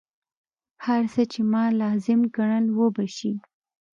هر څه چې ما لازم ګڼل وبه شي.